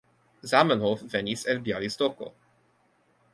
Zamenhof venis el Bjalistoko.